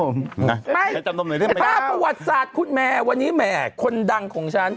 ไม่ถ้าประวัติศาสตร์คุณแม่วันนี้แม่คนดังของฉัน